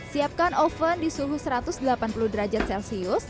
siapkan oven di suhu satu ratus delapan puluh derajat celcius